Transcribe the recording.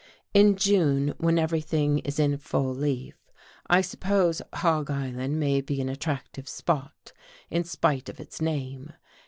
In June, when everything is in full leaf, I suppose Hog Island may be an attractive spot, in spite of its name.